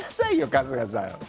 春日さん。